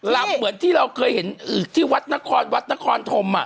เหมือนที่เราเคยเห็นอีกที่วัดนครวัดนครธม